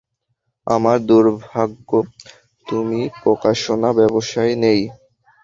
আমার দুর্ভাগ্য, তুমি প্রকাশনা ব্যবসায় নেই।